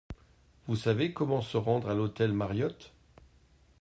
Vous savez comment se rendre à l’hôtel Mariott ?